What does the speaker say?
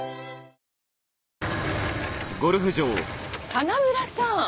花村さん！